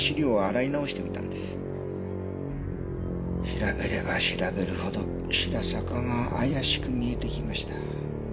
調べれば調べるほど白坂が怪しく見えてきました。